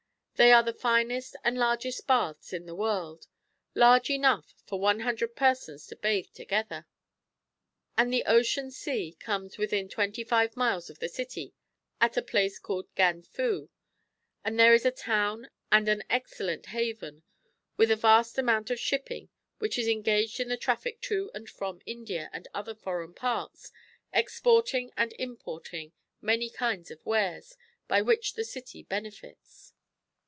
They are the finest and largest baths in the world ; large enough for 100 persons to bathe together.^ And the Ocean Sea comes within 25 miles of the city at a place called Ganfu, where there is a town and an excellent haven, with a vast amount of shipping which is engaged in the traffic to and from India and other foreign parts, exporting and importing many kinds of wares, by which the city benefits.